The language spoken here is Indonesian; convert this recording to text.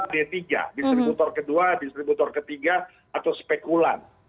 distributor kedua distributor ketiga atau spekulan